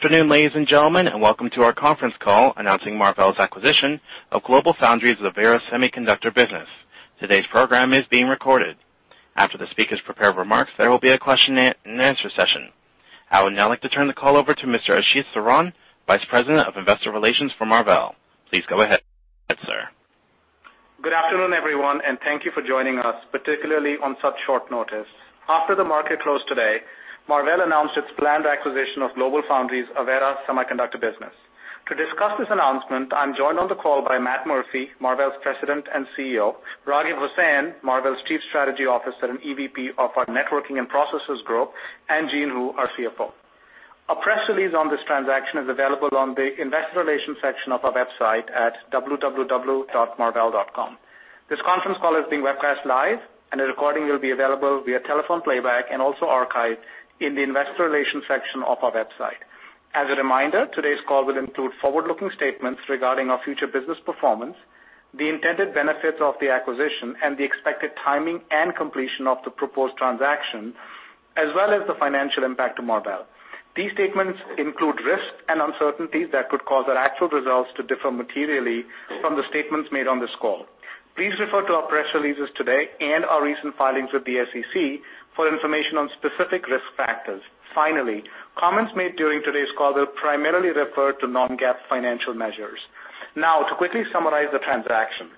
Good afternoon, ladies and gentlemen, and welcome to our conference call announcing Marvell's acquisition of GlobalFoundries' Avera Semiconductor business. Today's program is being recorded. After the speakers' prepared remarks, there will be a question and answer session. I would now like to turn the call over to Mr. Ashish Saran, Vice President of Investor Relations for Marvell. Please go ahead, sir. Good afternoon, everyone, and thank you for joining us, particularly on such short notice. After the market closed today, Marvell announced its planned acquisition of GlobalFoundries' Avera Semiconductor business. To discuss this announcement, I'm joined on the call by Matt Murphy, Marvell's President and CEO, Raghib Hussain, Marvell's Chief Strategy Officer and EVP of our Networking and Processes Group, and Jean Hu, our CFO. A press release on this transaction is available on the investor relations section of our website at www.marvell.com. This conference call is being webcast live and a recording will be available via telephone playback and also archived in the investor relations section of our website. As a reminder, today's call will include forward-looking statements regarding our future business performance, the intended benefits of the acquisition, and the expected timing and completion of the proposed transaction, as well as the financial impact to Marvell. These statements include risks and uncertainties that could cause our actual results to differ materially from the statements made on this call. Please refer to our press releases today and our recent filings with the SEC for information on specific risk factors. Finally, comments made during today's call will primarily refer to non-GAAP financial measures. To quickly summarize the transaction.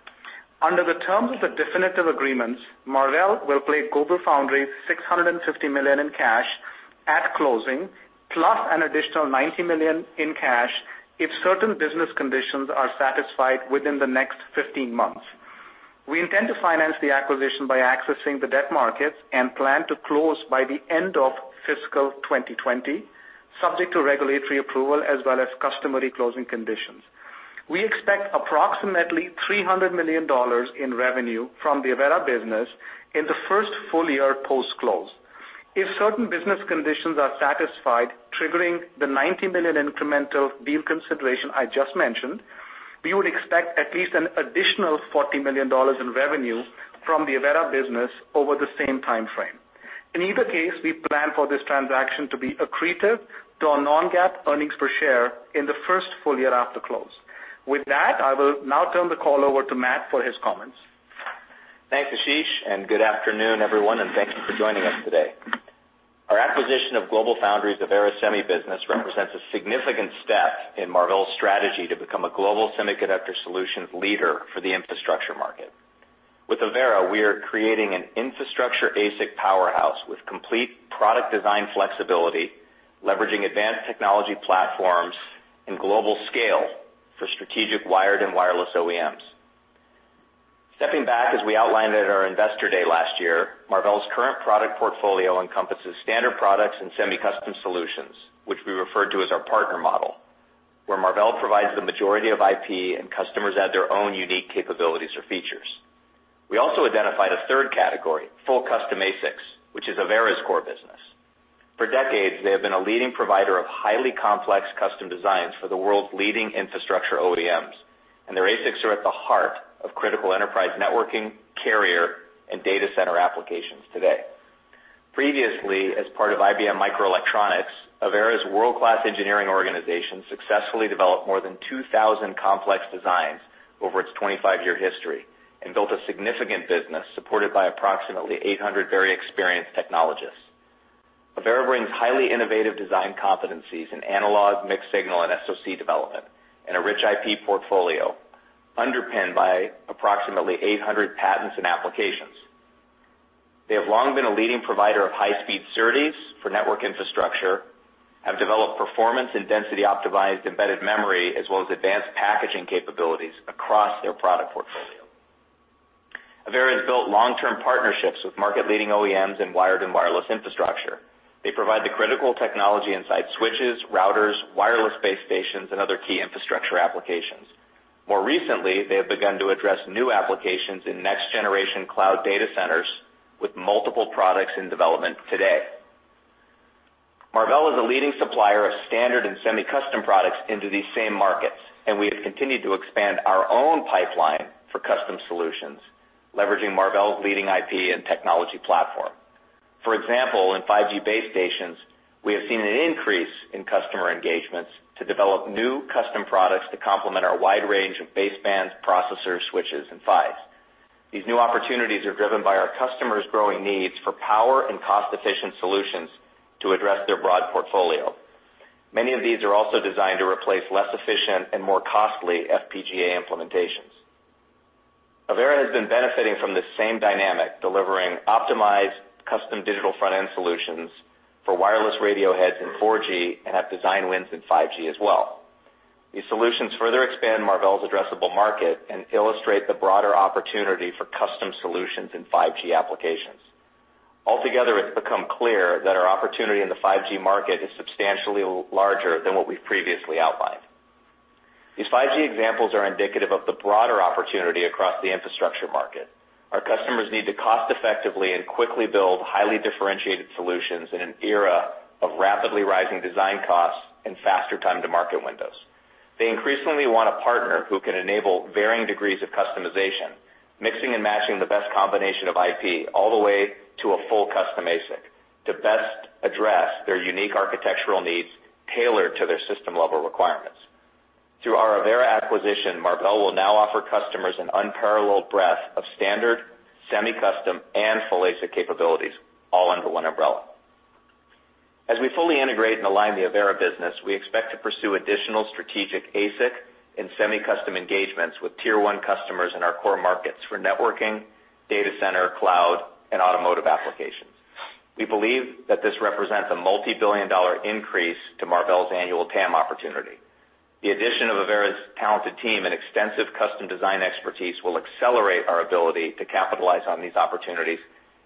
Under the terms of the definitive agreements, Marvell will pay GlobalFoundries $650 million in cash at closing, plus an additional $90 million in cash if certain business conditions are satisfied within the next 15 months. We intend to finance the acquisition by accessing the debt markets and plan to close by the end of fiscal 2020, subject to regulatory approval as well as customary closing conditions. We expect approximately $300 million in revenue from the Avera business in the first full year post-close. If certain business conditions are satisfied, triggering the $90 million incremental deal consideration I just mentioned, we would expect at least an additional $40 million in revenue from the Avera business over the same timeframe. In either case, we plan for this transaction to be accretive to our non-GAAP earnings per share in the first full year after close. I will now turn the call over to Matt for his comments. Thanks, Ashish, and good afternoon, everyone, and thank you for joining us today. Our acquisition of GlobalFoundries' Avera Semi business represents a significant step in Marvell's strategy to become a global semiconductor solutions leader for the infrastructure market. With Avera, we are creating an infrastructure ASIC powerhouse with complete product design flexibility, leveraging advanced technology platforms and global scale for strategic wired and wireless OEMs. Stepping back, as we outlined at our investor day last year, Marvell's current product portfolio encompasses standard products and semi-custom solutions, which we refer to as our partner model, where Marvell provides the majority of IP and customers add their own unique capabilities or features. We also identified a third category, full custom ASICs, which is Avera's core business. For decades, they have been a leading provider of highly complex custom designs for the world's leading infrastructure OEMs, and their ASICs are at the heart of critical enterprise networking, carrier, and data center applications today. Previously, as part of IBM Microelectronics, Avera's world-class engineering organization successfully developed more than 2,000 complex designs over its 25-year history and built a significant business supported by approximately 800 very experienced technologists. Avera brings highly innovative design competencies in analog, mixed-signal, and SoC development and a rich IP portfolio underpinned by approximately 800 patents and applications. They have long been a leading provider of high-speed SerDes for network infrastructure, have developed performance and density-optimized embedded memory, as well as advanced packaging capabilities across their product portfolio. Avera has built long-term partnerships with market-leading OEMs in wired and wireless infrastructure. They provide the critical technology inside switches, routers, wireless base stations, and other key infrastructure applications. More recently, they have begun to address new applications in next-generation cloud data centers with multiple products in development today. Marvell is a leading supplier of standard and semi-custom products into these same markets, and we have continued to expand our own pipeline for custom solutions, leveraging Marvell's leading IP and technology platform. For example, in 5G base stations, we have seen an increase in customer engagements to develop new custom products to complement our wide range of basebands, processors, switches, and PHYs. These new opportunities are driven by our customers' growing needs for power and cost-efficient solutions to address their broad portfolio. Many of these are also designed to replace less efficient and more costly FPGA implementations. Avera has been benefiting from this same dynamic, delivering optimized custom digital front-end solutions for wireless radio heads in 4G and have design wins in 5G as well. These solutions further expand Marvell's addressable market and illustrate the broader opportunity for custom solutions in 5G applications. Altogether, it's become clear that our opportunity in the 5G market is substantially larger than what we've previously outlined. These 5G examples are indicative of the broader opportunity across the infrastructure market. Our customers need to cost effectively and quickly build highly differentiated solutions in an era of rapidly rising design costs and faster time to market windows. They increasingly want a partner who can enable varying degrees of customization, mixing and matching the best combination of IP all the way to a full custom ASIC to best address their unique architectural needs tailored to their system-level requirements. Through our Avera acquisition, Marvell will now offer customers an unparalleled breadth of standard, semi-custom, and full ASIC capabilities all under one umbrella. As we fully integrate and align the Avera business, we expect to pursue additional strategic ASIC and semi-custom engagements with tier 1 customers in our core markets for networking, data center, cloud, and automotive applications. We believe that this represents a multibillion-dollar increase to Marvell's annual TAM opportunity. The addition of Avera's talented team and extensive custom design expertise will accelerate our ability to capitalize on these opportunities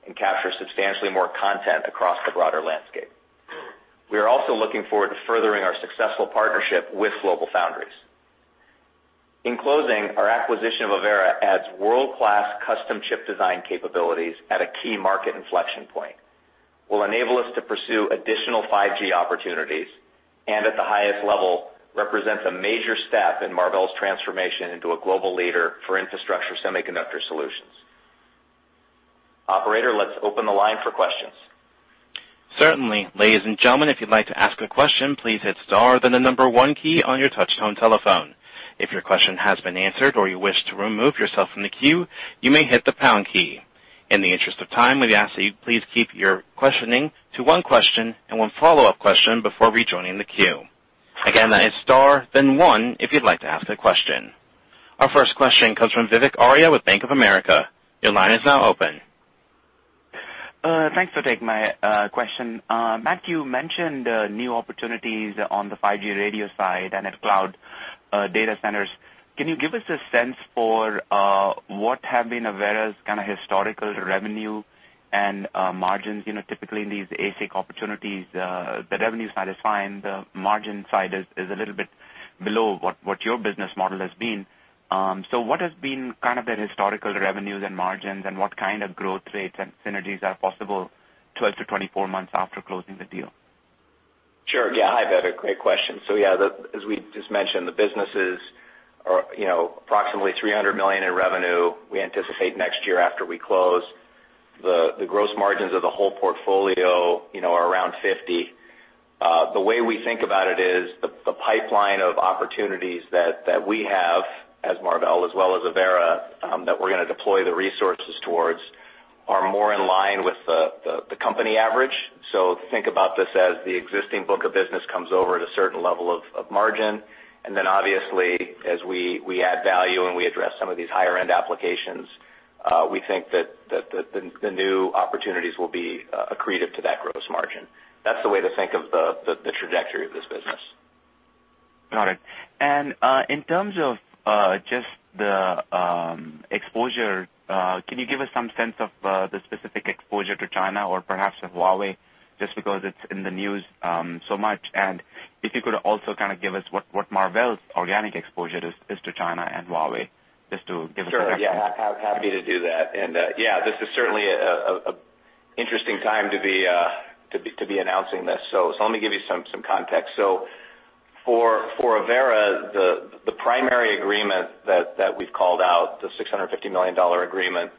and capture substantially more content across the broader landscape. We are also looking forward to furthering our successful partnership with GlobalFoundries. In closing, our acquisition of Avera adds world-class custom chip design capabilities at a key market inflection point, will enable us to pursue additional 5G opportunities, and at the highest level, represents a major step in Marvell's transformation into a global leader for infrastructure semiconductor solutions. Operator, let's open the line for questions. Certainly. Ladies and gentlemen, if you'd like to ask a question, please hit star, then the number one key on your touch-tone telephone. If your question has been answered or you wish to remove yourself from the queue, you may hit the pound key. In the interest of time, we ask that you please keep your questioning to one question and one follow-up question before rejoining the queue. Again, that is star, then one if you'd like to ask a question. Our first question comes from Vivek Arya with Bank of America. Your line is now open. Thanks for taking my question. Matt, you mentioned new opportunities on the 5G radio side and at cloud data centers. Can you give us a sense for what have been Avera's kind of historical revenue and margins? Typically, in these ASIC opportunities, the revenue side is fine. The margin side is a little bit below what your business model has been. What has been kind of their historical revenues and margins and what kind of growth rates and synergies are possible 12-24 months after closing the deal? Sure. Yeah. Hi, Vivek. Great question. Yeah, as we just mentioned, the businesses are approximately $300 million in revenue. We anticipate next year after we close the gross margins of the whole portfolio are around 50%. The way we think about it is the pipeline of opportunities that we have as Marvell as well as Avera, that we're going to deploy the resources towards, are more in line with the company average. Think about this as the existing book of business comes over at a certain level of margin, and then obviously as we add value and we address some of these higher-end applications, we think that the new opportunities will be accretive to that gross margin. That's the way to think of the trajectory of this business. Got it. In terms of just the exposure, can you give us some sense of the specific exposure to China or perhaps of Huawei, just because it's in the news so much? If you could also kind of give us what Marvell's organic exposure is to China and Huawei, just to give us an idea. Sure. Yeah. Happy to do that. Yeah, this is certainly an interesting time to be announcing this. Let me give you some context. For Avera, the primary agreement that we've called out, the $650 million agreement,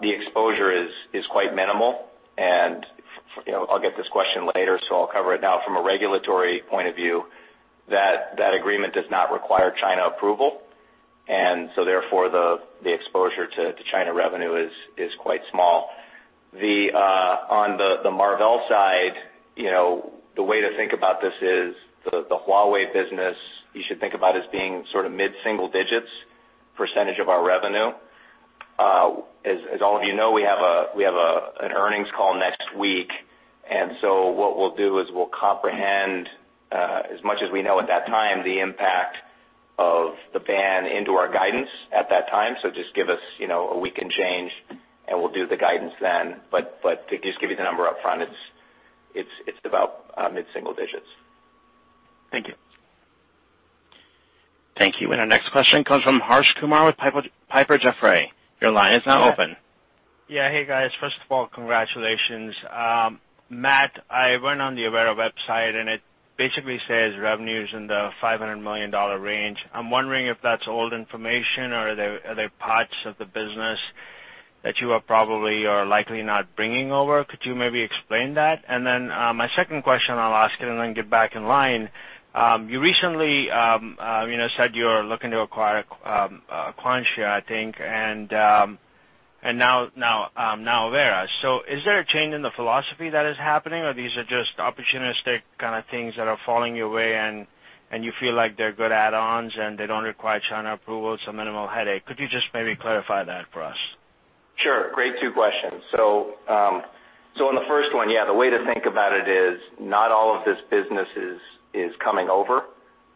the exposure is quite minimal. I'll get this question later, so I'll cover it now from a regulatory point of view, that agreement does not require China approval, and so therefore the exposure to China revenue is quite small. On the Marvell side, the way to think about this is the Huawei business, you should think about as being sort of mid-single digits percentage of our revenue. All of you know, we have an earnings call next week, and so what we'll do is we'll comprehend, as much as we know at that time, the impact of the ban into our guidance at that time. Just give us a week in change, and we'll do the guidance then. To just give you the number up front, it's about mid-single digits. Thank you. Thank you. Our next question comes from Harsh Kumar with Piper Sandler. Your line is now open. Yeah. Hey, guys. First of all, congratulations. Matt, I went on the avera website, and it basically says revenue's in the $500 million range. I'm wondering if that's old information, or are there parts of the business that you are probably or likely not bringing over? Could you maybe explain that? My second question, I'll ask it and then get back in line. You recently said you're looking to acquire Aquantia, I think, and now Avera. Is there a change in the philosophy that is happening, or are these just opportunistic kind of things that are falling your way and you feel like they're good add-ons and they don't require China approval, so minimal headache? Could you just maybe clarify that for us? Sure. Great two questions. On the first one, yeah, the way to think about it is not all of this business is coming over.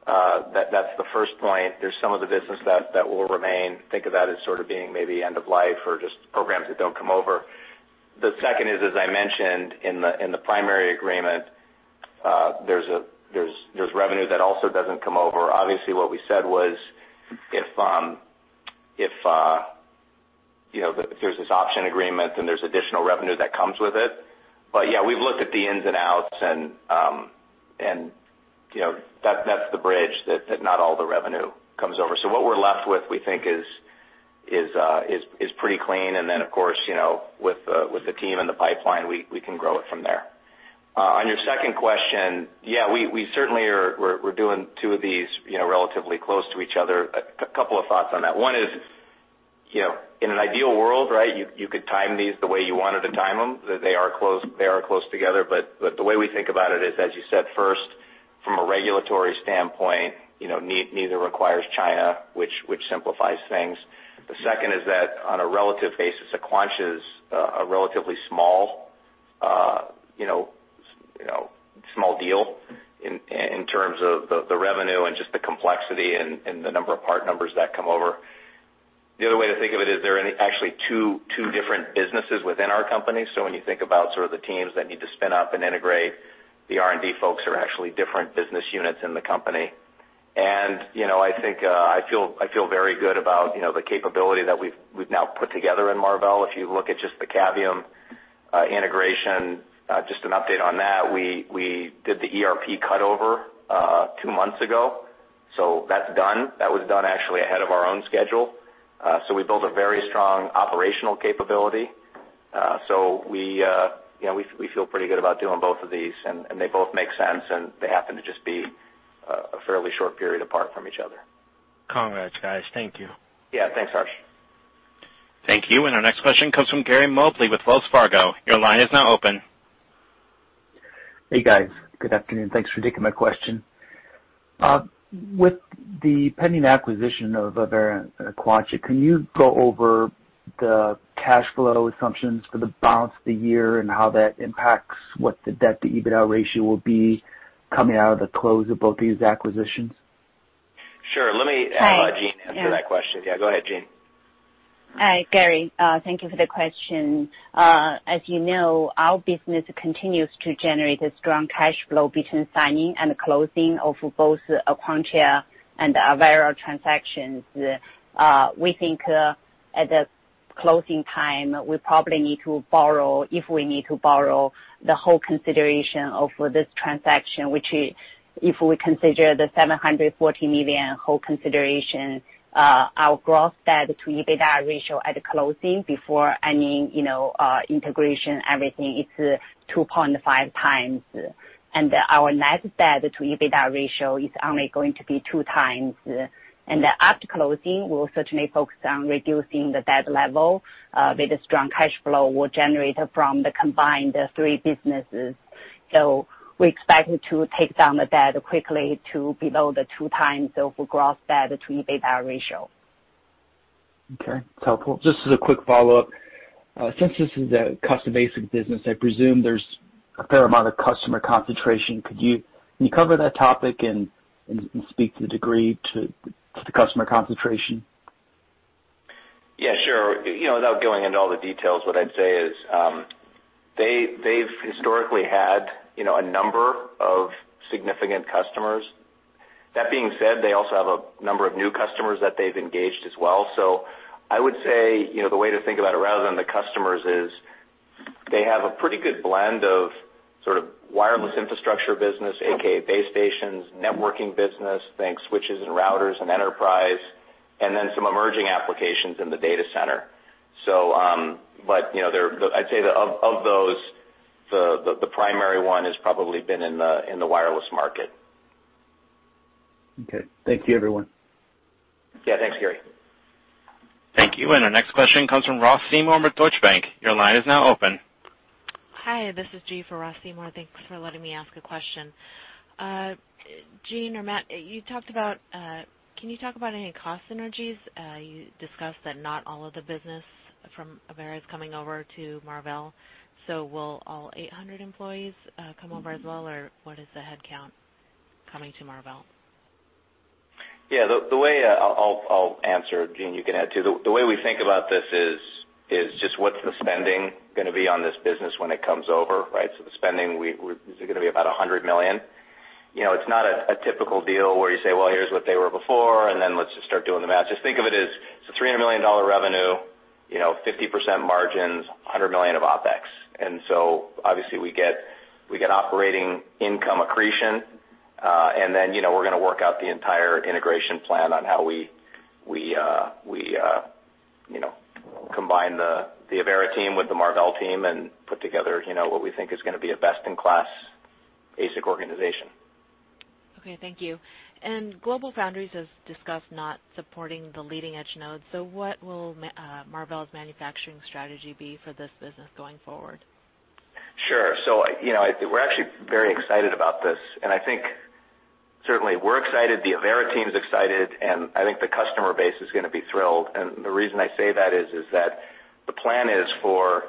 That's the first point. There's some of the business that will remain. Think of that as sort of being maybe end of life or just programs that don't come over. The second is, as I mentioned in the primary agreement, there's revenue that also doesn't come over. Obviously, what we said was, if there's this option agreement, then there's additional revenue that comes with it. Yeah, we've looked at the ins and outs, and that's the bridge that not all the revenue comes over. What we're left with, we think is pretty clean. Of course, with the team and the pipeline, we can grow it from there. On your second question, yeah, we certainly are doing two of these relatively close to each other. A couple of thoughts on that. One is, in an ideal world, right, you could time these the way you wanted to time them. They are close together, but the way we think about it is, as you said, first, from a regulatory standpoint, neither requires China, which simplifies things. The second is that on a relative basis, Aquantia's a relatively small deal in terms of the revenue and just the complexity and the number of part numbers that come over. The other way to think of it is they're actually two different businesses within our company. When you think about sort of the teams that need to spin up and integrate, the R&D folks are actually different business units in the company. I feel very good about the capability that we've now put together in Marvell. If you look at just the Cavium integration, just an update on that, we did the ERP cut-over two months ago. That's done. That was done actually ahead of our own schedule. We built a very strong operational capability. We feel pretty good about doing both of these, and they both make sense, and they happen to just be a fairly short period apart from each other. Congrats, guys. Thank you. Yeah. Thanks, Harsh. Thank you. Our next question comes from Gary Mobley with Wells Fargo. Your line is now open. Hey, guys. Good afternoon. Thanks for taking my question. With the pending acquisition of Avera and Aquantia, can you go over the cash flow assumptions for the balance of the year and how that impacts what the debt to EBITDA ratio will be coming out of the close of both these acquisitions? Sure. Let me have Jean answer that question. Yeah, go ahead, Jean. Hi, Gary. Thank you for the question. As you know, our business continues to generate a strong cash flow between signing and closing of both Aquantia and Avera transactions. We think at the closing time, we probably need to borrow, if we need to borrow the whole consideration of this transaction, which if we consider the $740 million whole consideration, our gross debt to EBITDA ratio at closing before any integration, everything, it's 2.5 times. Our net debt to EBITDA ratio is only going to be two times. After closing, we'll certainly focus on reducing the debt level with a strong cash flow we'll generate from the combined three businesses. We expect to take down the debt quickly to below the two times of gross debt to EBITDA ratio. Okay. Helpful. Just as a quick follow-up. Since this is a custom ASIC business, I presume there's a fair amount of customer concentration. Can you cover that topic and speak to the degree to the customer concentration? Yeah, sure. Without going into all the details, what I'd say is, they've historically had a number of significant customers. That being said, they also have a number of new customers that they've engaged as well. I would say the way to think about it, rather than the customers is they have a pretty good blend of sort of wireless infrastructure business, AKA base stations, networking business, think switches and routers and enterprise, and then some emerging applications in the data center. I'd say of those, the primary one has probably been in the wireless market. Okay. Thank you, everyone. Yeah. Thanks, Gary. Thank you. Our next question comes from Ross Seymore with Deutsche Bank. Your line is now open. Hi, this is Jean for Ross Seymore. Thanks for letting me ask a question. Jean or Matt, can you talk about any cost synergies? You discussed that not all of the business from Avera is coming over to Marvell. Will all 800 employees come over as well, or what is the headcount coming to Marvell? Yeah. I'll answer, Jean, you can add, too. The way we think about this is just what's the spending going to be on this business when it comes over, right? The spending is going to be about $100 million. It's not a typical deal where you say, well, here's what they were before, let's just start doing the math. Just think of it as it's a $300 million revenue, 50% margins, $100 million of OpEx. Obviously we get operating income accretion. We're going to work out the entire integration plan on how we combine the Avera team with the Marvell team and put together what we think is going to be a best-in-class ASIC organization. Okay. Thank you. GlobalFoundries has discussed not supporting the leading-edge nodes. What will Marvell's manufacturing strategy be for this business going forward? Sure. We're actually very excited about this, I think certainly we're excited, the Avera team's excited, I think the customer base is going to be thrilled. The reason I say that is that the plan is for,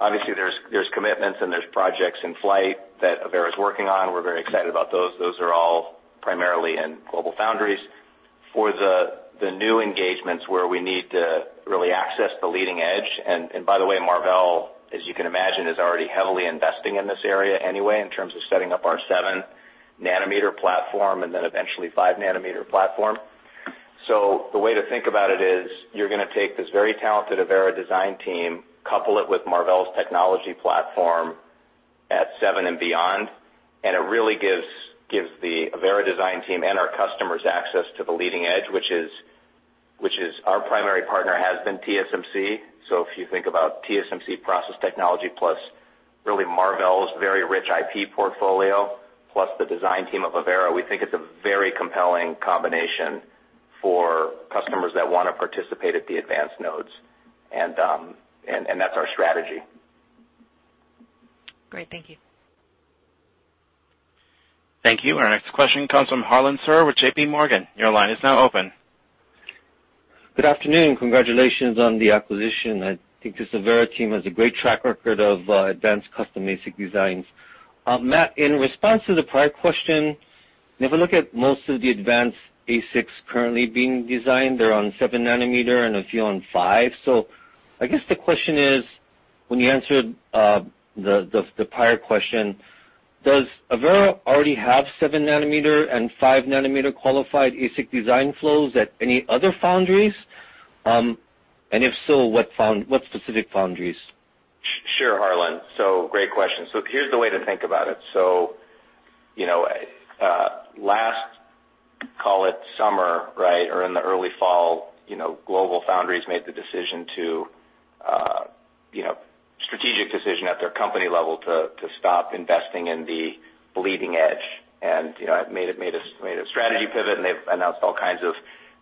obviously there's commitments and there's projects in flight that Avera's working on. We're very excited about those. Those are all primarily in GlobalFoundries. For the new engagements where we need to really access the leading edge, by the way, Marvell, as you can imagine, is already heavily investing in this area anyway in terms of setting up our 7-nanometer platform and then eventually 5-nanometer platform. The way to think about it is you're going to take this very talented Avera design team, couple it with Marvell's technology platform at 7 and beyond, it really gives the Avera design team and our customers access to the leading edge, which is our primary partner has been TSMC. If you think about TSMC process technology plus really Marvell's very rich IP portfolio, plus the design team of Avera, we think it's a very compelling combination for customers that want to participate at the advanced nodes. That's our strategy. Great. Thank you. Thank you. Our next question comes from Harlan Sur with J.P. Morgan. Your line is now open. Good afternoon. Congratulations on the acquisition. I think the Avera team has a great track record of advanced custom ASIC designs. Matt, in response to the prior question, if you look at most of the advanced ASICs currently being designed, they're on 7 nanometer and a few on 5. I guess the question is, when you answered the prior question, does Avera already have 7 nanometer and 5 nanometer qualified ASIC design flows at any other foundries? If so, what specific foundries? Sure, Harlan. Great question. Here's the way to think about it. Last, call it summer, right, or in the early fall, GlobalFoundries made the strategic decision at their company level to stop investing in the bleeding edge. Made a strategy pivot and they've announced all kinds of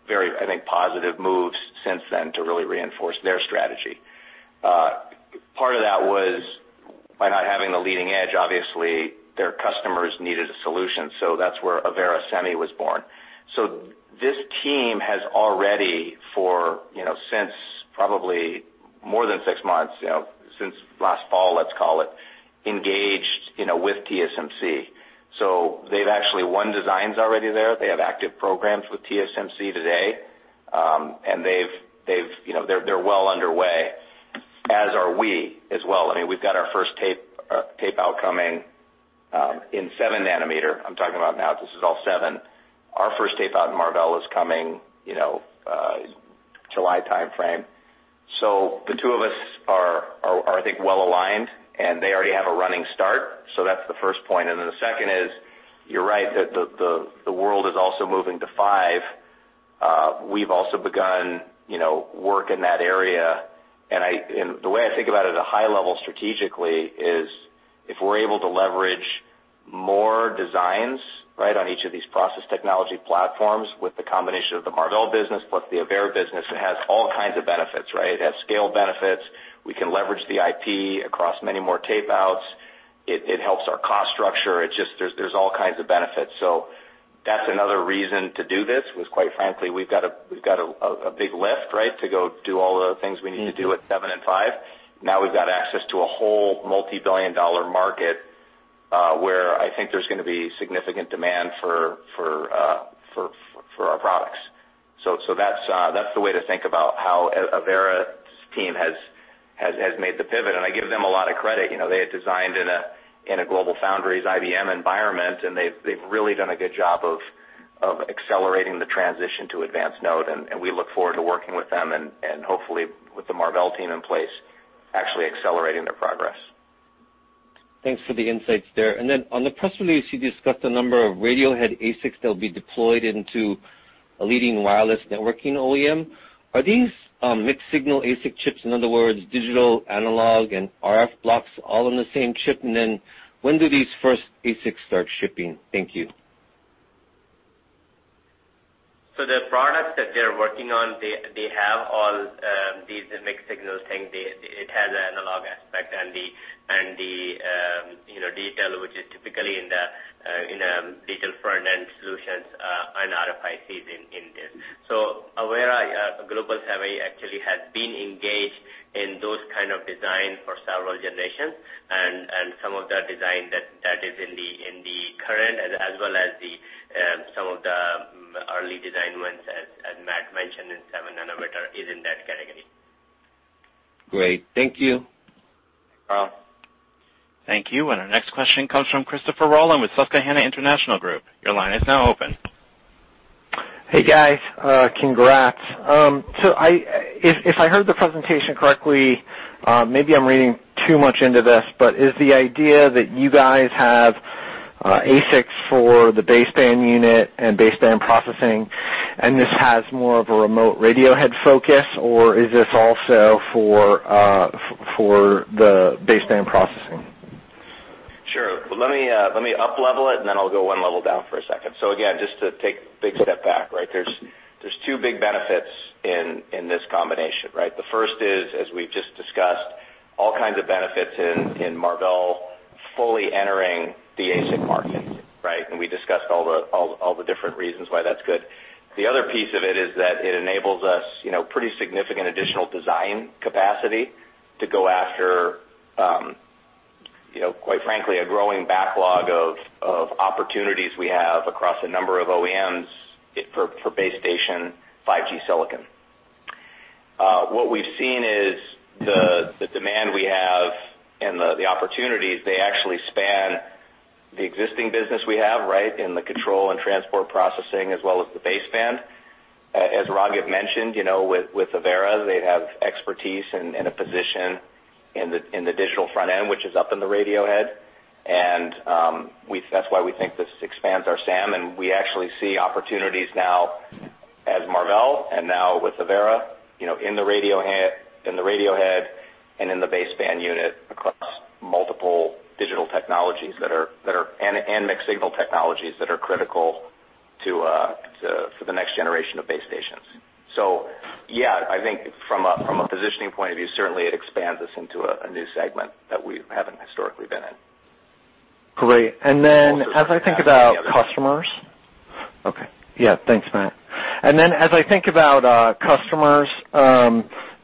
very, I think, positive moves since then to really reinforce their strategy. Part of that was by not having the leading edge, obviously, their customers needed a solution. That's where Avera Semi was born. This team has already for, since probably more than six months, since last fall, let's call it, engaged with TSMC. They've actually won designs already there. They have active programs with TSMC today. They're well underway, as are we as well. I mean, we've got our first tape out coming in 7 nanometer. I'm talking about now, this is all 7. Our first tape out in Marvell is coming July timeframe. The two of us are, I think, well-aligned, and they already have a running start. That's the first point. The second is, you're right that the world is also moving to 5. We've also begun work in that area, and the way I think about it at a high level strategically is if we're able to leverage more designs right on each of these process technology platforms with the combination of the Marvell business plus the Avera business, it has all kinds of benefits, right? It has scale benefits. We can leverage the IP across many more tapeouts. It helps our cost structure. There's all kinds of benefits. That's another reason to do this was quite frankly, we've got a big lift, right? To go do all the things we need to do at 7 and 5. Now we've got access to a whole multi-billion-dollar market, where I think there's going to be significant demand for our products. That's the way to think about how Avera's team has made the pivot, and I give them a lot of credit. They had designed in a GlobalFoundries IBM environment, and they've really done a good job of accelerating the transition to advanced node, and we look forward to working with them and hopefully with the Marvell team in place, actually accelerating their progress. Thanks for the insights there. On the press release, you discussed a number of radiohead ASICs that will be deployed into a leading wireless networking OEM. Are these mixed signal ASIC chips, in other words, digital, analog, and RF blocks all on the same chip? When do these first ASICs start shipping? Thank you. The products that they're working on, they have all these mixed signals saying it has an analog aspect and the detail which is typically in the digital front-end solutions and RFICs in this. Avera Global Semi actually has been engaged in those kind of design for several generations, and some of the design that is in the current as well as some of the early design ones, as Matt mentioned in seven nanometer, is in that category. Great. Thank you. Carl. Thank you. Our next question comes from Christopher Rolland with Susquehanna International Group. Your line is now open. Hey, guys. Congrats. If I heard the presentation correctly, maybe I'm reading too much into this, but is the idea that you guys have ASICs for the baseband unit and baseband processing, and this has more of a remote radio head focus, or is this also for the baseband processing? Sure. Let me up level it, and then I'll go 1 level down for a second. Again, just to take a big step back, right? There's two big benefits in this combination, right? The first is, as we've just discussed, all kinds of benefits in Marvell fully entering the ASIC market, right? We discussed all the different reasons why that's good. The other piece of it is that it enables us pretty significant additional design capacity to go after, quite frankly, a growing backlog of opportunities we have across a number of OEMs for base station 5G silicon. What we've seen is the demand we have and the opportunities, they actually span the existing business we have in the control and transport processing, as well as the baseband. As Raghib mentioned, with Avera, they have expertise and a position in the digital front end, which is up in the radio head. That's why we think this expands our SAM, and we actually see opportunities now as Marvell and now with Avera, in the radio head and in the baseband unit across multiple digital technologies and mixed signal technologies that are critical for the next generation of base stations. Yeah, I think from a positioning point of view, certainly it expands us into a new segment that we haven't historically been in. Great. As I think about customers. Okay. Yeah, thanks, Matt. As I think about customers,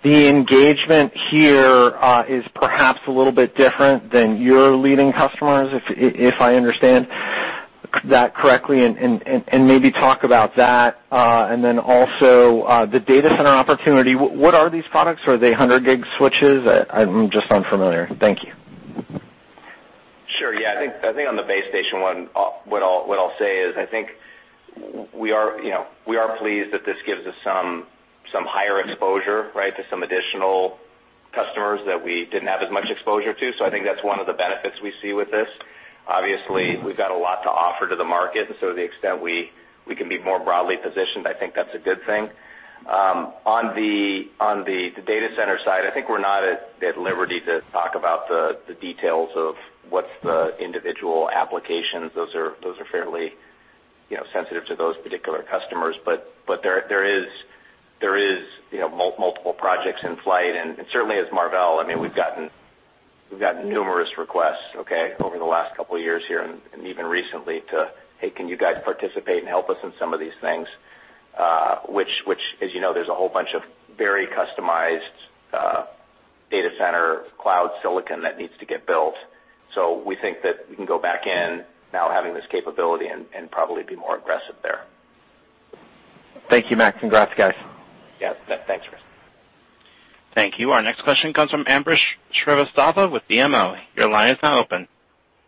the engagement here is perhaps a little bit different than your leading customers, if I understand that correctly, and maybe talk about that. Also, the data center opportunity, what are these products? Are they 100 gig switches? I'm just unfamiliar. Thank you. Sure. Yeah. I think on the base station one, what I'll say is I think we are pleased that this gives us some higher exposure to some additional customers that we didn't have as much exposure to. I think that's one of the benefits we see with this. Obviously, we've got a lot to offer to the market, to the extent we can be more broadly positioned, I think that's a good thing. On the data center side, I think we're not at liberty to talk about the details of what's the individual applications. Those are fairly sensitive to those particular customers. There is multiple projects in flight, certainly as Marvell, we've gotten numerous requests over the last couple of years here and even recently to, "Hey, can you guys participate and help us in some of these things?" Which, as you know, there's a whole bunch of very customized data center cloud silicon that needs to get built. We think that we can go back in now having this capability and probably be more aggressive there. Thank you, Matt. Congrats, guys. Yeah. Thanks, Chris. Thank you. Our next question comes from Ambrish Srivastava with BMO. Your line is now open.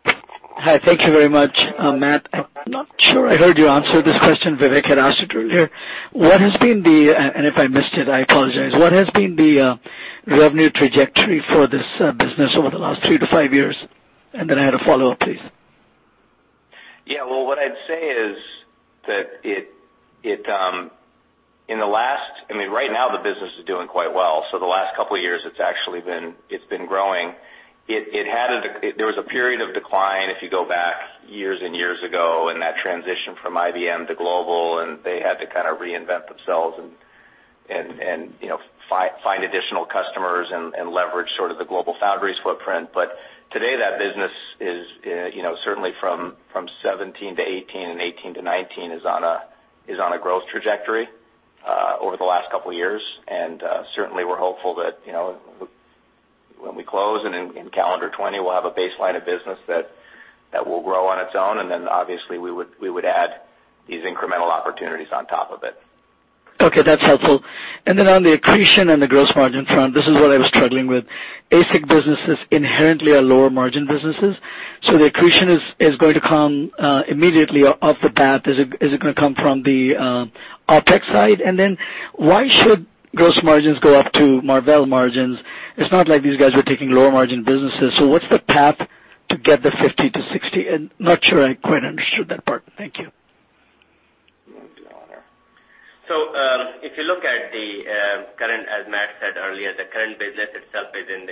Hi. Thank you very much. Matt, I'm not sure I heard you answer this question Vivek had asked earlier. If I missed it, I apologize. What has been the revenue trajectory for this business over the last three to five years? Then I had a follow-up, please. Well, what I'd say is that right now the business is doing quite well. The last couple of years it's been growing. There was a period of decline if you go back years and years ago, that transition from IBM to Global, and they had to kind of reinvent themselves and find additional customers and leverage sort of the GlobalFoundries footprint. Today that business is certainly from 2017 to 2018 and 2018 to 2019 is on a growth trajectory over the last couple of years. Certainly we're hopeful that when we close and in calendar 2020, we'll have a baseline of business that will grow on its own. Then obviously we would add these incremental opportunities on top of it. Okay, that's helpful. Then on the accretion and the gross margin front, this is what I was struggling with. ASIC businesses inherently are lower margin businesses. The accretion is going to come immediately off the bat. Is it going to come from the OpEx side? Then why should gross margins go up to Marvell margins? It's not like these guys were taking lower margin businesses. What's the path to get the 50%-60%? Not sure I quite understood that part. Thank you. If you look at the current, as Matt said earlier, the current business itself is in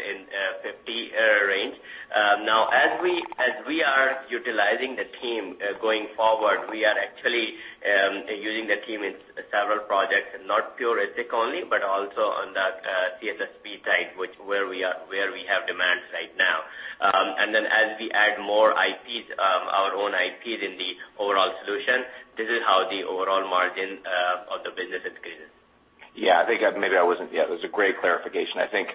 50 range. As we are utilizing the team going forward, we are actually using the team in several projects, not pure ASIC only, but also on the CSSP side, where we have demands right now. As we add more IPs, our own IPs in the overall solution, this is how the overall margin of the business increases. Yeah, that was a great clarification. I think,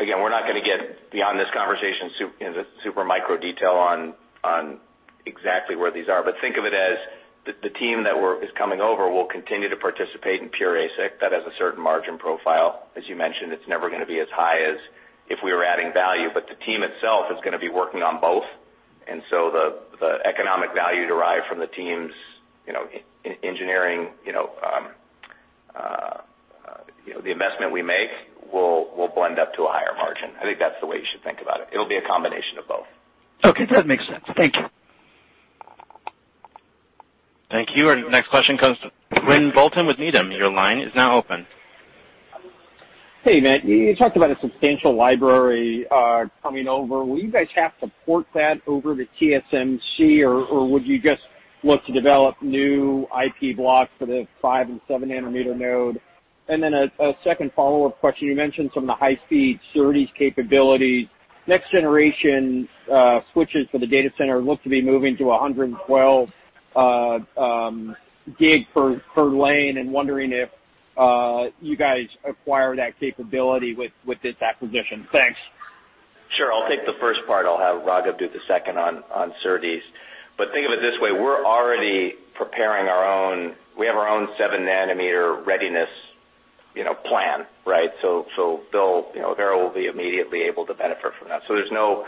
again, we're not going to get beyond this conversation into super micro detail on exactly where these are. Think of it as the team that is coming over will continue to participate in pure ASIC. That has a certain margin profile. As you mentioned, it's never going to be as high as if we were adding value, but the team itself is going to be working on both. The economic value derived from the team's engineering, the investment we make will blend up to a higher margin. I think that's the way you should think about it. It'll be a combination of both. Okay. That makes sense. Thank you. Thank you. Our next question comes from Quinn Bolton with Needham. Your line is now open. Hey, Matt. You talked about a substantial library coming over. Will you guys have to port that over to TSMC, or would you just look to develop new IP blocks for the five and seven nanometer node? A second follow-up question. You mentioned some of the high-speed SerDes capabilities. Next generation switches for the data center look to be moving to 112 gig per lane and wondering if you guys acquire that capability with this acquisition. Thanks. Sure. I'll take the first part. I'll have Raghib do the second on SerDes. Think of it this way, we have our own seven nanometer readiness plan, right? Avera will be immediately able to benefit from that. There's no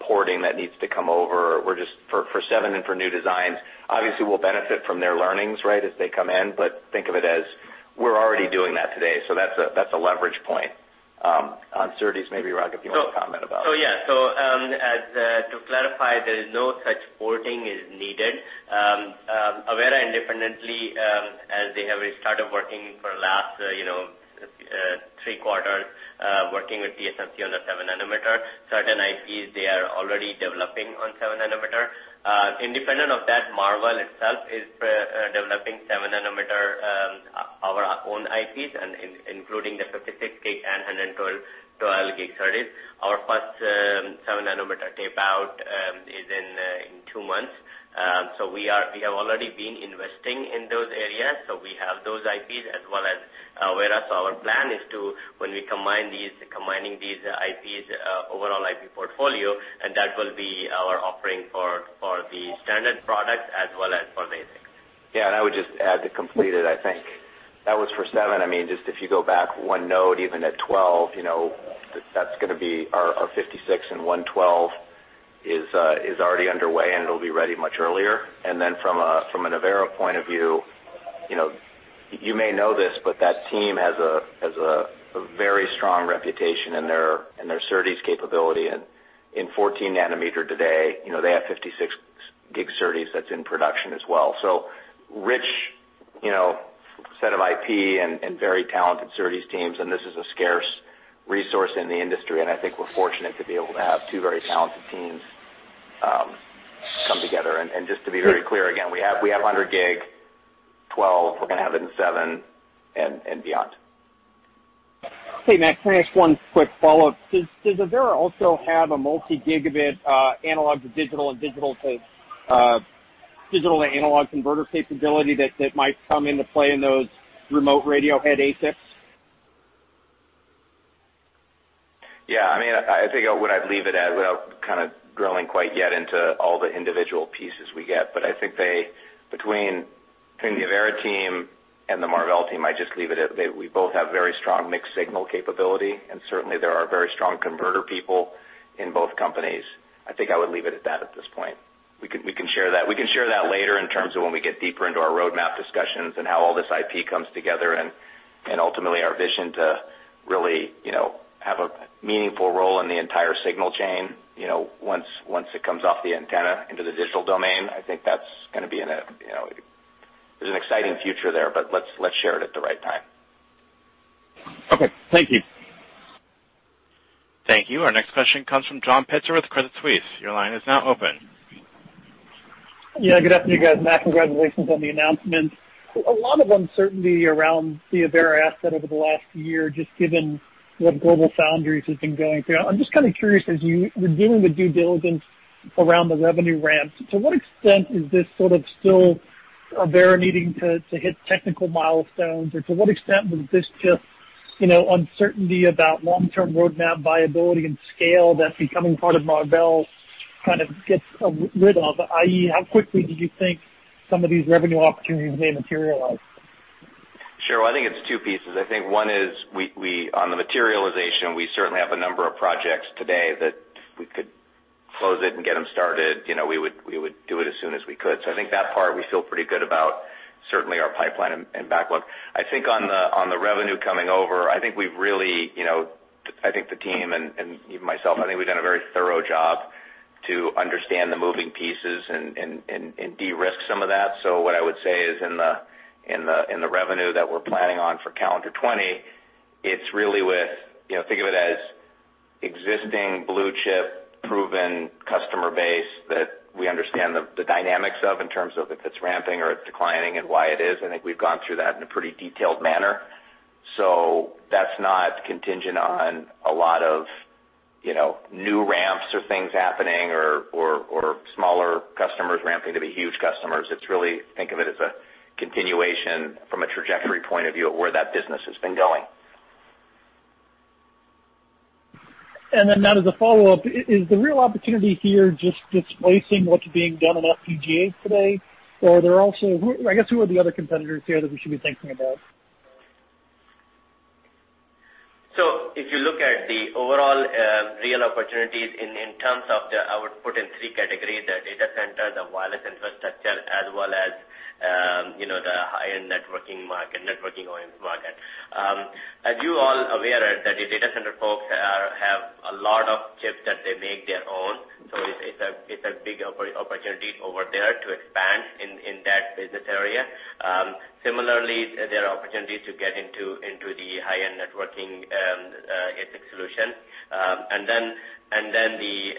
porting that needs to come over. For seven and for new designs, obviously we'll benefit from their learnings, right, as they come in. Think of it as we're already doing that today, so that's a leverage point. On SerDes, maybe Raghib, you want to comment about it. Yeah. To clarify, there is no such porting is needed. Avera independently as they have started working for the last three quarters working with TSMC on the seven nanometer. Certain IPs, they are already developing on seven nanometer. Independent of that, Marvell itself is developing seven nanometer our own IPs and including the 56G and 112G SerDes. Our first seven nanometer tape out is in two months. We have already been investing in those areas. We have those IPs as well as Avera. Our plan is to, when we combining these IPs overall IP portfolio, that will be our offering for the standard product as well as for ASIC. Yeah, I would just add to complete it, I think that was for seven. Just if you go back one node, even at 12, that's going to be our 56 and 112 is already underway, and it'll be ready much earlier. From an Avera point of view, you may know this, but that team has a very strong reputation in their SerDes capability. In 14 nanometer today, they have 56G SerDes that's in production as well. Rich set of IP and very talented SerDes teams, this is a scarce resource in the industry, and I think we're fortunate to be able to have two very talented teams come together. Just to be very clear, again, we have 112G, 12, we're going to have it in seven and beyond. Hey, Matt, can I ask one quick follow-up? Does Avera also have a multi-gigabit analog to digital and digital to analog converter capability that might come into play in those remote radio head ASICs? Yeah. I think what I'd leave it at without kind of drilling quite yet into all the individual pieces we get. I think between the Avera team and the Marvell team, I just leave it at we both have very strong mixed signal capability, and certainly there are very strong converter people in both companies. I think I would leave it at that at this point. We can share that later in terms of when we get deeper into our roadmap discussions and how all this IP comes together and ultimately our vision to really have a meaningful role in the entire signal chain once it comes off the antenna into the digital domain. I think there's an exciting future there. Let's share it at the right time. Okay. Thank you. Thank you. Our next question comes from John Pitzer with Credit Suisse. Your line is now open. Yeah, good afternoon, guys. Matt, congratulations on the announcement. A lot of uncertainty around the Avera asset over the last year, just given what GlobalFoundries has been going through. I'm just kind of curious, as you were doing the due diligence around the revenue ramps, to what extent is this sort of still Avera needing to hit technical milestones? Or to what extent was this just uncertainty about long-term roadmap viability and scale that becoming part of Marvell kind of gets rid of? I.e., how quickly do you think some of these revenue opportunities may materialize? Sure. I think it's two pieces. I think one is on the materialization, we certainly have a number of projects today that we could close it and get them started. We would do it as soon as we could. I think that part we feel pretty good about certainly our pipeline and backlog. I think on the revenue coming over, I think the team and even myself, I think we've done a very thorough job to understand the moving pieces and de-risk some of that. What I would say is in the revenue that we're planning on for calendar 2020, think of it as existing blue-chip proven customer base that we understand the dynamics of in terms of if it's ramping or it's declining and why it is. I think we've gone through that in a pretty detailed manner. That's not contingent on a lot of new ramps or things happening or smaller customers ramping to be huge customers. Think of it as a continuation from a trajectory point of view of where that business has been going. Then, Matt, as a follow-up, is the real opportunity here just displacing what's being done on FPGA today? Or I guess who are the other competitors here that we should be thinking about? If you look at the overall real opportunities in terms of the output in 3 categories, the data center, the wireless infrastructure, as well as the high-end networking market. As you all aware that the data center folks have a lot of chips that they make their own. It's a big opportunity over there to expand in that business area. Similarly, there are opportunities to get into the high-end networking ASIC solution. The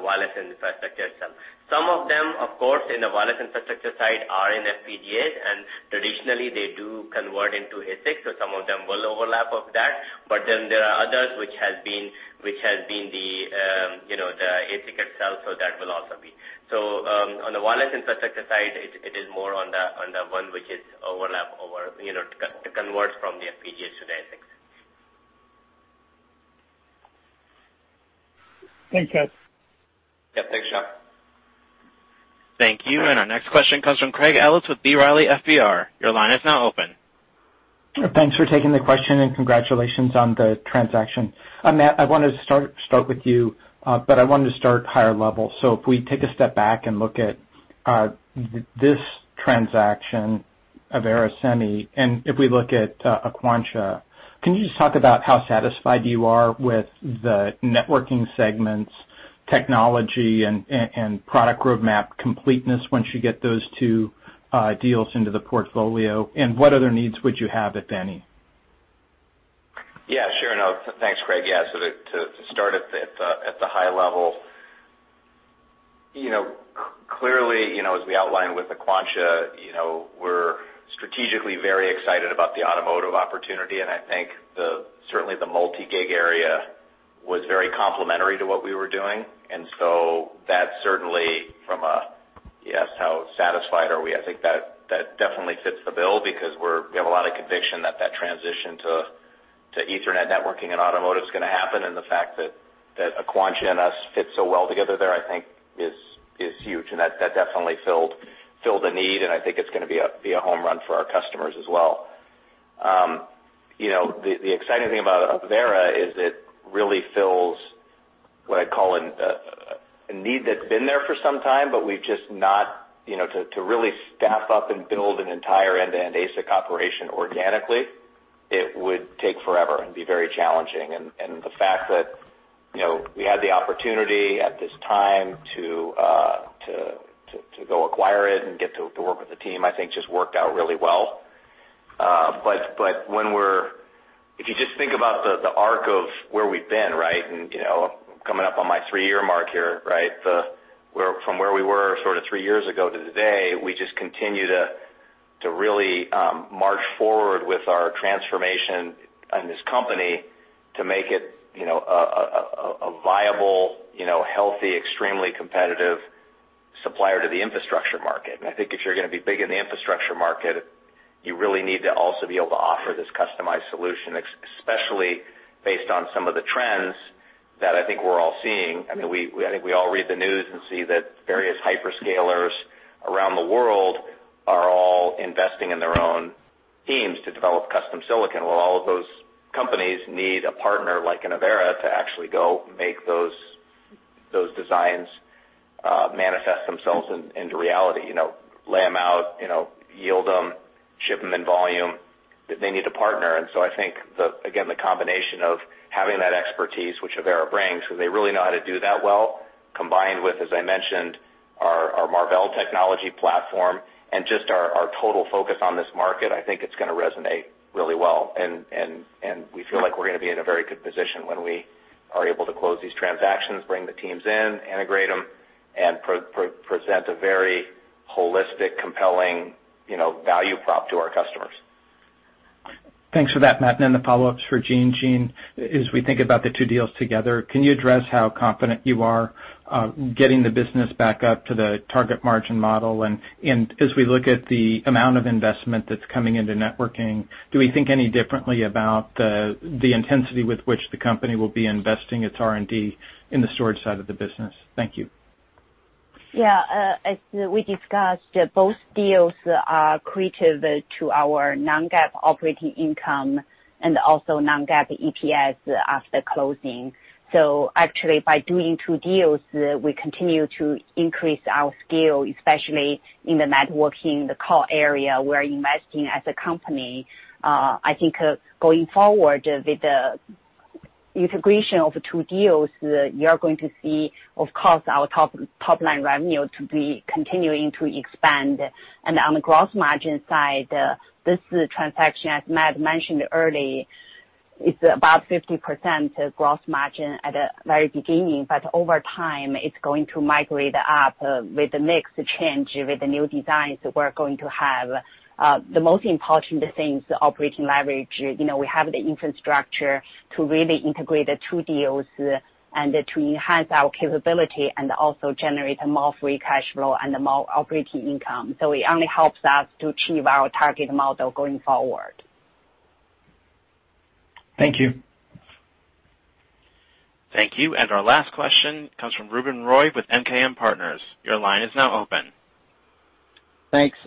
wireless infrastructure itself. Some of them, of course, in the wireless infrastructure side are in FPGAs, and traditionally they do convert into ASICs, some of them will overlap of that. There are others which has been Which has been the ASIC itself, that will also be. On the wireless infrastructure side, it is more on the one which is overlap over, to convert from the FPGAs to the ASICs. Thanks, guys. Yeah. Thanks, John. Thank you. Our next question comes from Craig Ellis with B. Riley Securities. Your line is now open. Thanks for taking the question, and congratulations on the transaction. Matt, I wanted to start with you, but I wanted to start higher level. If we take a step back and look at this transaction, Avera Semiconductor, and if we look at Aquantia, can you just talk about how satisfied you are with the networking segment's technology and product roadmap completeness once you get those two deals into the portfolio? What other needs would you have, if any? Thanks, Craig. To start at the high level, clearly, as we outlined with Aquantia, we're strategically very excited about the automotive opportunity, and I think certainly the multi-gig area was very complementary to what we were doing. That certainly from a, you ask how satisfied are we, I think that definitely fits the bill because we have a lot of conviction that that transition to Ethernet networking in automotive is going to happen. The fact that, Aquantia and us fit so well together there, I think is huge. That definitely filled a need, and I think it's going to be a home run for our customers as well. The exciting thing about Avera is it really fills what I call a need that's been there for some time, but we've just not to really staff up and build an entire end-to-end ASIC operation organically, it would take forever and be very challenging. The fact that we had the opportunity at this time to go acquire it and get to work with the team, I think, just worked out really well. If you just think about the arc of where we've been, right? Coming up on my three-year mark here, right? From where we were sort of three years ago to today, we just continue to really march forward with our transformation and this company to make it a viable, healthy, extremely competitive supplier to the infrastructure market. I think if you're going to be big in the infrastructure market, you really need to also be able to offer this customized solution, especially based on some of the trends that I think we're all seeing. I think we all read the news and see that various hyperscalers around the world are all investing in their own teams to develop custom silicon. All of those companies need a partner like an Avera to actually go make those designs manifest themselves into reality. Lay them out, yield them, ship them in volume. They need to partner. I think, again, the combination of having that expertise, which Avera brings, because they really know how to do that well, combined with, as I mentioned, our Marvell Technology platform and just our total focus on this market, I think it's going to resonate really well. We feel like we're going to be in a very good position when we are able to close these transactions, bring the teams in, integrate them, and present a very holistic, compelling value prop to our customers. Thanks for that, Matt. The follow-up's for Jean. Jean, as we think about the two deals together, can you address how confident you are getting the business back up to the target margin model? As we look at the amount of investment that's coming into networking, do we think any differently about the intensity with which the company will be investing its R&D in the storage side of the business? Thank you. As we discussed, both deals are accreative to our non-GAAP operating income and also non-GAAP EPS after closing. Actually, by doing two deals, we continue to increase our scale, especially in the networking, the core area we're investing as a company. I think going forward with the integration of two deals, you're going to see, of course, our top line revenue to be continuing to expand. On the gross margin side, this transaction, as Matt mentioned early, is about 50% gross margin at the very beginning. Over time, it's going to migrate up with the mix change, with the new designs we're going to have. The most important thing is the operating leverage. We have the infrastructure to really integrate the two deals and to enhance our capability and also generate more free cash flow and more operating income. It only helps us to achieve our target model going forward. Thank you. Thank you. Our last question comes from Ruben Roy with MKM Partners. Your line is now open. Thanks.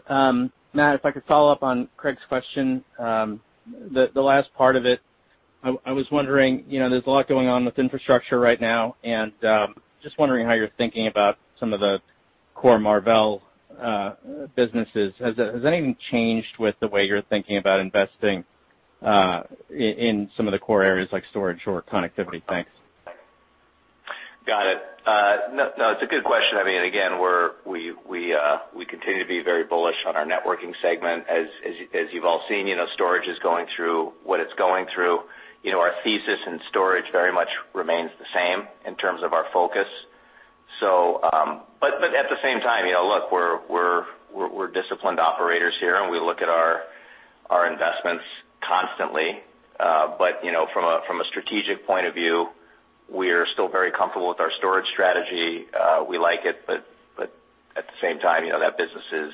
Matt, if I could follow up on Craig's question, the last part of it. I was wondering, there's a lot going on with infrastructure right now, and just wondering how you're thinking about some of the core Marvell businesses. Has anything changed with the way you're thinking about investing in some of the core areas like storage or connectivity? Thanks. Got it. No, it's a good question. I mean, again, we continue to be very bullish on our networking segment. As you've all seen, storage is going through what it's going through. Our thesis in storage very much remains the same in terms of our focus. At the same time, look, we're disciplined operators here, and we look at our investments constantly. From a strategic point of view, we're still very comfortable with our storage strategy. We like it, but at the same time, that business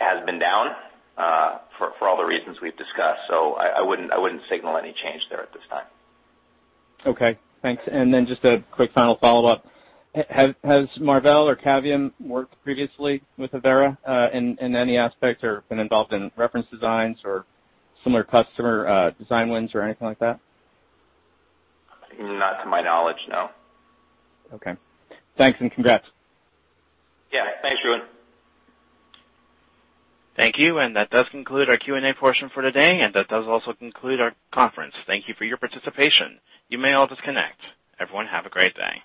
has been down for all the reasons we've discussed. I wouldn't signal any change there at this time. Okay, thanks. Just a quick final follow-up. Has Marvell or Cavium worked previously with Avera in any aspect or been involved in reference designs or similar customer design wins or anything like that? Not to my knowledge, no. Okay. Thanks, and congrats. Yeah. Thanks, Ruben. Thank you. That does conclude our Q&A portion for today, and that does also conclude our conference. Thank you for your participation. You may all disconnect. Everyone have a great day.